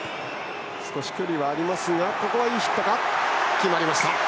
決まりました。